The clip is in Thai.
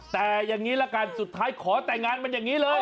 แต่อย่างนี้ละกันสุดท้ายขอแต่งงานมันอย่างนี้เลย